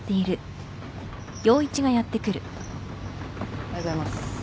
おはようございます。